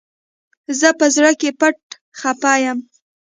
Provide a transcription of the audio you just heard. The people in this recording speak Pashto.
زه په زړه کي پټ خپه يم